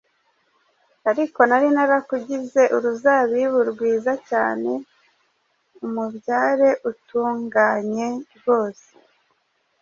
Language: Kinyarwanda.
Ariko nari narakugize uruzabibu rwiza cyane, umubyare utunganye rwose